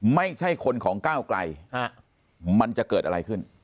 ไม่ใช่คนของก้าวไกลมันจะเกิดอะไรขึ้น